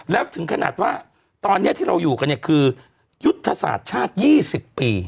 แล้วถึงขนาดว่าตอนนี้ที่เราอยู่กันเนี่ยคือยุทธศาสตร์ชาติ๒๐ปี